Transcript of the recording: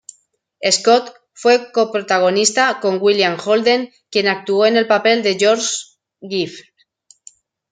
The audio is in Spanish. Scott fue coprotagonista con William Holden, quien actuó en el papel de "George Gibbs".